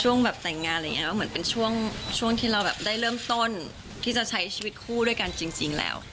แบบแต่งงานอะไรอย่างนี้ก็เหมือนเป็นช่วงที่เราแบบได้เริ่มต้นที่จะใช้ชีวิตคู่ด้วยกันจริงแล้ว